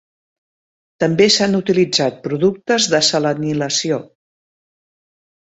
També s'han utilitzat productes de selenilació.